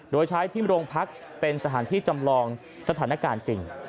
โดยใช้ที่โรงพักเป็นสถานที่จำลองสถานการณ์จริง